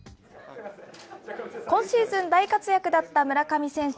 今シーズン大活躍だった村上選手。